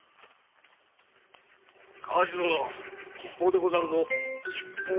河内殿吉報でござるぞ。